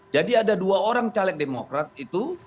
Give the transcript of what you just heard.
jadi ada dua orang caleg demokrat itu